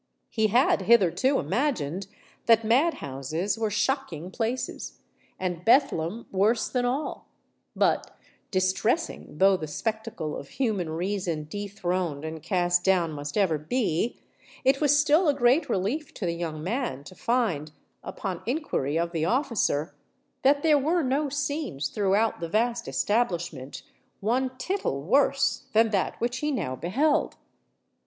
He had hitherto imagined that madhouses were shocking places—and Bethlem worse than all: but distressing though the spectacle of human reason dethroned and cast down must ever be, it was still a great relief to the young man to find, upon inquiry of the officer, that there were no scenes throughout the vast establishment one tittle worse than that which he now beheld.